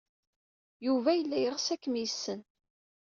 Yuba yella yeɣs ad kem-yessen.